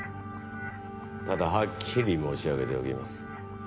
ただはっきり申し上げておきます。